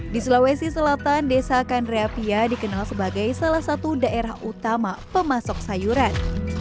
di sulawesi selatan desa kandreapia dikenal sebagai salah satu daerah utama pemasok sayuran